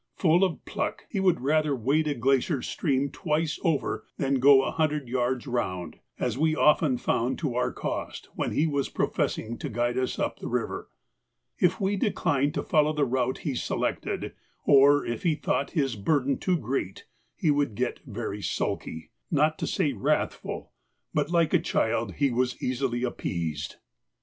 Full of pluck, he would rather wade a glacier stream twice over than go a hundred yards round, as we often found to our cost when he was professing to guide us up the river. If we declined to follow the route he selected, or if he thought his burden too great, he would get very sulky, not to say wrathful; but, like a child, he was easily appeased.